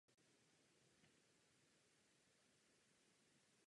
To protéká Německem a ústí do Severního moře.